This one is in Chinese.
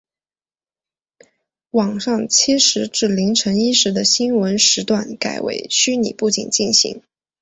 晚上七时至凌晨一时的新闻时段改为在虚拟布景进行。